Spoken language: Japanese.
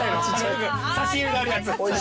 差し入れであるやつ。